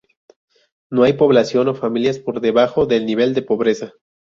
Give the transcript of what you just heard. No hay población o familias por debajo del nivel de pobreza.